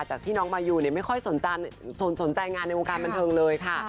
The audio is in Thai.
จากที่น้องมายูไม่ค่อยสนใจงานในวงการบันเทิงเลยค่ะ